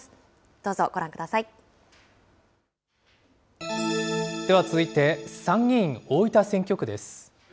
どうぞご覧ください。では続いて、参議院大分選挙区です。